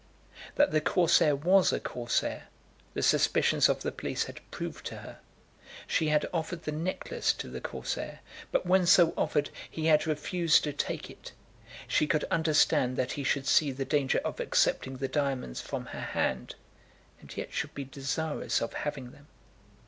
That the Corsair was a Corsair, the suspicions of the police had proved to her. She had offered the necklace to the Corsair; but when so offered, he had refused to take it. She could understand that he should see the danger of accepting the diamonds from her hand, and yet should be desirous of having them.